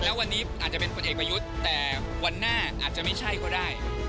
แล้ววันนี้อาจจะเป็นคนเอกประยุทธ์แต่วันหน้าอาจจะไม่ใช่ก็ได้